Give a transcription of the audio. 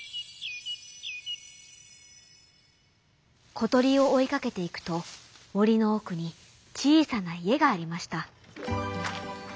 ことりをおいかけていくともりのおくにちいさないえがありました。